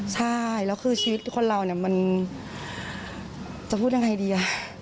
ใช่แล้วคือชีวิตคนเราเนี่ยมันจะพูดยังไงดี